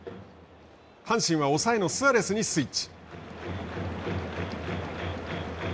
阪神は抑えのスアレスにスイッチ。